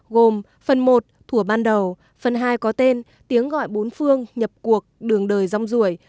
gồm phần một thủa ban đầu phần hai có tên tiếng gọi bốn phương nhập cuộc đường đời dòng ruồi